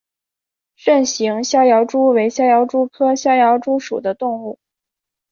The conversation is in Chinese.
肾形逍遥蛛为逍遥蛛科逍遥蛛属的动物。